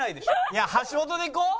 いや橋本でいこう。